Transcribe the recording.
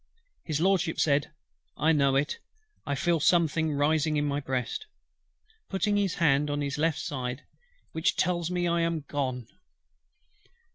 HIS LORDSHIP said: "I know it. I feel something rising in my breast," putting his hand on his left side, "which tells me I am gone."